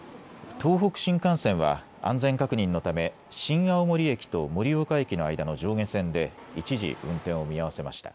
東北新幹線は安全確認のため、新青森駅と盛岡駅の間の上下線で、一時運転を見合わせました。